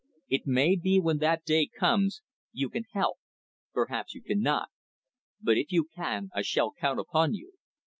It may be, when that day comes, you can help, perhaps you cannot. But, if you can, I shall count upon you."